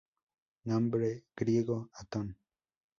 Nombre griego: Atón.